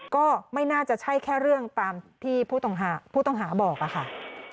ก็ไม่น่าจะใช่แค่เรื่องตามที่ผู้ต้องหาบอกค่ะ